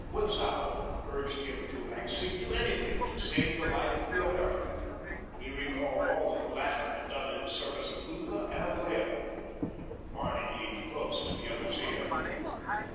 Butzow urged him to accede to anything to save the life of the American. He recalled all that the latter had done in the service of Lutha and Leopold. Barney leaned close to the other's ear.